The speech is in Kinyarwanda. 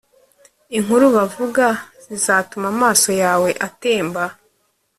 inkuru bavuga zizatuma amaso yawe atemba